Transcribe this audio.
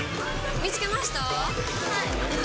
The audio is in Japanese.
見つけました？